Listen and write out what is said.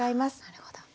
なるほど。